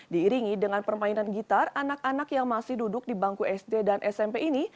diiringi dengan permainan gitar anak anak yang masih duduk di bangku sd dan smp ini